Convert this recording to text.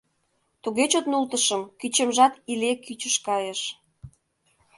Туге чот нултышым, кӱчемжат иле кӱчыш кайыш.